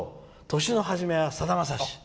「年の初めはさだまさし」。